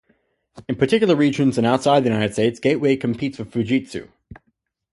In particular regions and outside the United States, Gateway competes with Fujitsu.